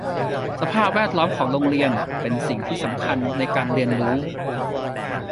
สภาพแวดล้อมของโรงเรียนเป็นสิ่งที่สำคัญในการเรียนรู้